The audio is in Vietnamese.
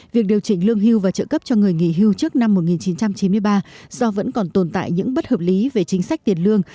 việc điều chỉnh lương hưu và trợ cấp cho người nghỉ hưu trước năm một nghìn chín trăm chín mươi ba do vẫn còn tồn tại những bất hợp lý về chính sách tiền lương